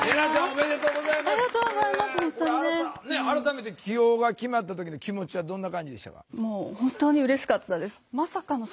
改めて起用が決まった時の気持ちはどんな感じでしたか？